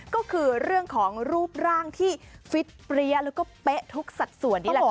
ก็คือเรื่องของรูปร่างที่ฟิตเปรี้ยแล้วก็เป๊ะทุกสัดส่วนนี่แหละค่ะ